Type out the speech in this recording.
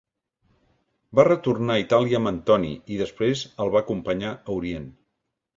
Va retornar a Itàlia amb Antoni, i després el va acompanyar a Orient.